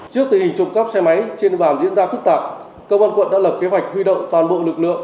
trước tình trộn cắp xe máy trên bàn diễn ra phức tạp công an quận đã lập kế hoạch huy động toàn bộ lực lượng